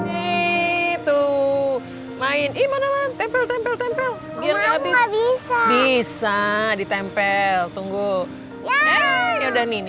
itu main iman tempel tempel tempel biar bisa ditempel tunggu ya udah nih